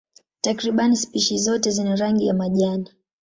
Takriban spishi zote zina rangi ya majani.